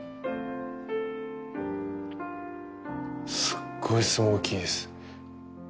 すっごいスモーキーです。